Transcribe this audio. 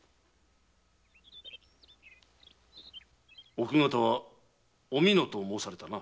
奥方は「お美濃」と申されたな。